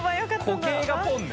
固形がポンね。